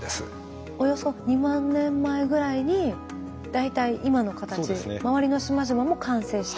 およそ２万年前ぐらいに大体今の形周りの島々も完成した。